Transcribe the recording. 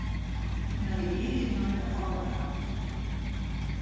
Navigearje nei de Aldehou.